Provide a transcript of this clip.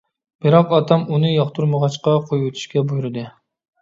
بىراق ئاتام ئۇنى ياقتۇرمىغاچقا، قويۇۋېتىشكە بۇيرۇدى.